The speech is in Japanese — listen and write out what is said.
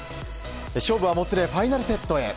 勝負はもつれファイナルセットへ。